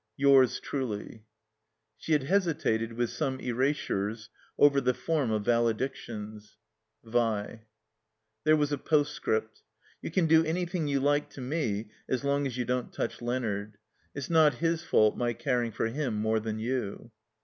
Yours truly, [she had hedtated, with some eiasuxes, over the form of valedio tbas] Vl There was a postscript : ''You can do anything you like to me as long as you don't touch Leonard. It's not his fault my car ing for him more than you."